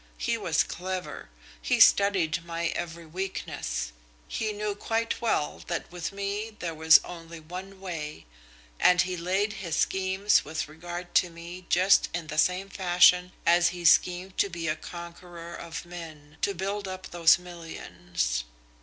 He was clever. He studied my every weakness. He knew quite well that with me there was only one way, and he laid his schemes with regard to me just in the same fashion as he schemed to be a conqueror of men, to build up those millions.